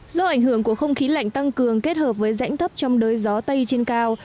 do ảnh hưởng của không khí lạnh tăng cường kết hợp với rãnh thấp trong đới gió tây trên cao